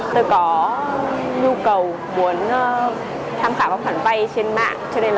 tôi có nhu cầu muốn tham khảo khoản vay